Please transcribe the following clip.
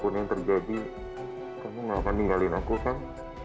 apapun yang terjadi kamu gak akan ninggalin aku kan